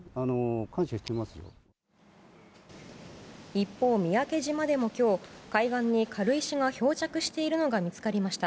一方、三宅島でも今日海岸に軽石が漂着しているのが見つかりました。